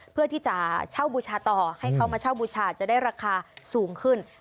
เพื่อที่จะเช่าบูชาต่อให้เขามาเช่าบูชาจะได้ราคาสูงขึ้น